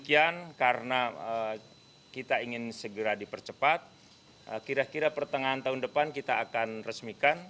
karena kita ingin segera dipercepat kira kira pertengahan tahun depan kita akan resmikan